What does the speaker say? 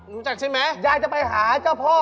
รู้จักใช่ไหมยายจะไปหาเจ้าพ่อ